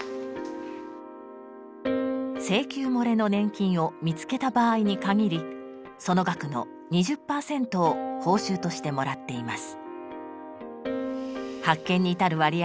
請求もれの年金を見つけた場合にかぎりその額の２０％を報酬としてもらっています。